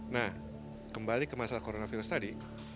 nah kembali ke masalah coronavirus tadi